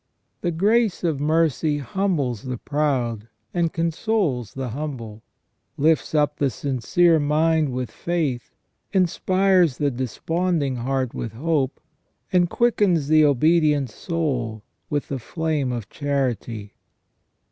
The grace of mercy humbles the proud, and consoles the humble ; lifts up the sincere mind with faith, inspires the desponding heart with hope, and quickens the obedient soul with the flame of charity.